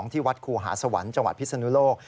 ที่วัดครูหาสวรรค์จังหวัดพิศนุโลก